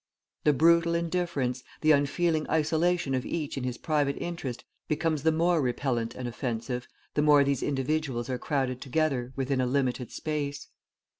The brutal indifference, the unfeeling isolation of each in his private interest becomes the more repellant and offensive, the more these individuals are crowded together, within a limited space.